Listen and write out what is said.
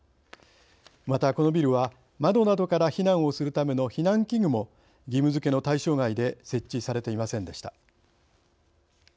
また、このビルは窓などから避難をするための避難器具も義務づけの対象外で設置されていませんでした。